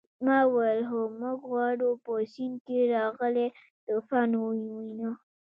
ما وویل هو موږ غواړو په سیند کې راغلی طوفان ووینو.